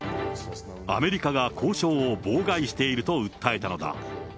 アメリカが交渉を妨害していると訴えたのだ。